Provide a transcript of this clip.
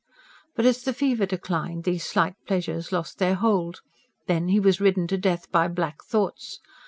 But as the fever declined, these slight pleasures lost their hold. Then he was ridden to death by black thoughts.